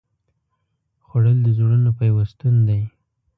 خوړل د زړونو پیوستون دی